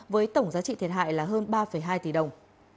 với tổng giá trị thiệt hại là hơn ba hai tỷ đồng